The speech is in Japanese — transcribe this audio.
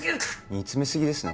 煮詰めすぎですね